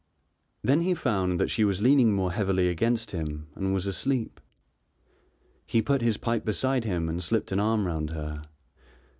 Then he found that she was leaning more heavily against him and was asleep. He put his pipe beside him and slipped an arm round her.